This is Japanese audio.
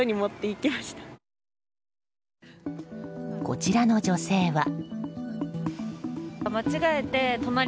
こちらの女性は。